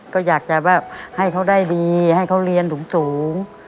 ก็อยากจะแบบให้เขาได้ดีให้เขาเรียนสูง